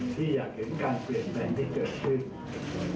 ที่อยากเห็นการเปลี่ยนแปลงที่เกิดขึ้น